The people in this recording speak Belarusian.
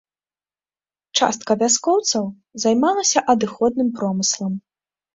Частка вяскоўцаў займалася адыходным промыслам.